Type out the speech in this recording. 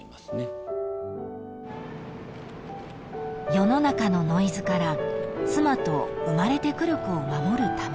［世の中のノイズから妻と生まれてくる子を守るために］